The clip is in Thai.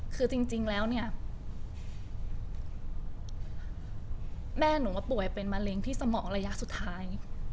คือจริงแล้วเนี่ยแม่หนูว่าป่วยเป็นมะเร็งที่สมองระยะสุดท้าย